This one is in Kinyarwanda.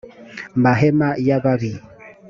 mahema y ababi